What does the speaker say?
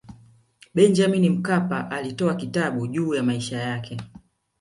Benjamin Mkapa alitoa kitabu juu ya maisha yake